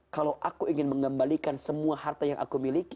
kalau aku ingin mengembalikan semua harta yang aku miliki